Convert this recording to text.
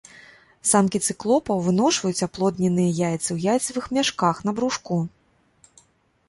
Самкі цыклопаў выношваюць аплодненыя яйцы ў яйцавых мяшках на брушку.